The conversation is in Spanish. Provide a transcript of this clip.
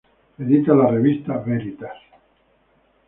Edita la revista "Veritas".